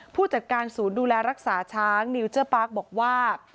ผู้จัดการศูนย์ดูแลรักษาช้างนิวเจอร์ปาร์คบอกว่า